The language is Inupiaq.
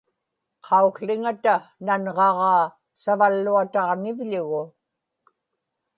qaukłiŋata nanġaġaa savalluataġnivḷugu